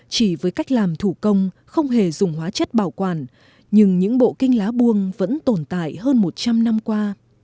chỉ với cách làm thủ công không hề dùng hóa chất bảo quản nhưng những bộ kinh lá buông vẫn tồn tại hơn một trăm linh năm qua